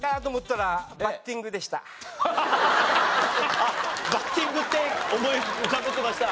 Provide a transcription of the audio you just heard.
あっバッティングって思い浮かべてました？